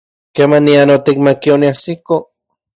¿Kemanian otikmatki oniajsiko?